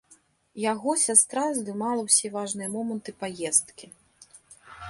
Яго сястра здымала ўсе важныя моманты паездкі.